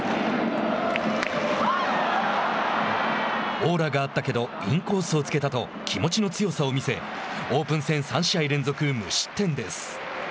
オーラがあったけどインコースを突けたと気持ちの強さを見せオープン戦３試合連続無失点です。